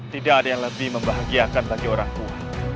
tidak ada yang lebih membahagiakan bagi orang tua